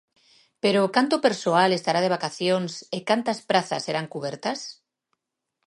Pero, canto persoal estará de vacacións e cantas prazas serán cubertas?